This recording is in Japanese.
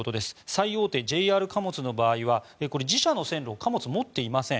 最大手ＪＲ貨物の場合は自社の線路貨物、持っていません。